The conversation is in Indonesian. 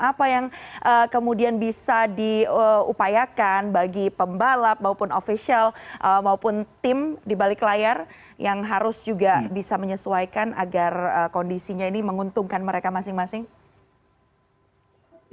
apa yang kemudian bisa diupayakan bagi pembalap maupun ofisial maupun tim di balik layar yang harus juga bisa menyesuaikan agar kondisinya ini menguntungkan mereka masing masing